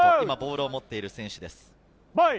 今ボールを持っている選手です。